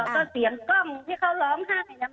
ก็เสียงกล้องที่เขาร้องให้มันน่าสงสารนะ